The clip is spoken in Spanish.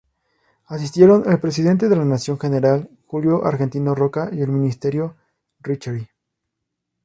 Asistieron el Presidente de la Nación, general Julio Argentino Roca, y el Ministro Riccheri.